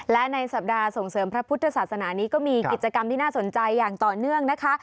และในสัปดาห์ส่งเสริมพระพุทธศาสนานี้ก็มีกิจกรรมที่น่าสนใจอย่างต่อเนื่องนะคะ